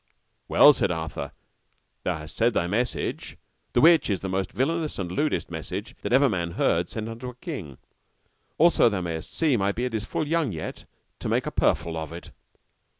Well, said Arthur, thou hast said thy message, the which is the most villainous and lewdest message that ever man heard sent unto a king; also thou mayest see my beard is full young yet to make a purfle of it.